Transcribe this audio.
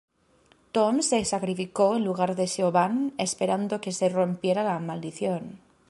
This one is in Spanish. Tom se sacrificó en lugar de Siobhan, esperando que se rompiera la maldición.